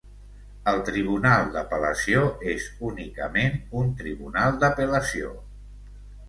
El Tribunal d'Apel·lació és únicament un tribunal d'apel·lació.